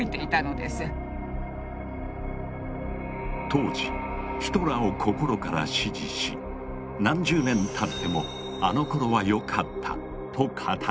当時ヒトラーを心から支持し何十年たってもあの頃は良かったと語る人たち。